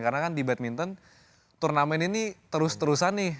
karena kan di badminton turnamen ini terus terusan nih